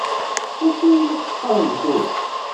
D acu i la teqqaṛem tura?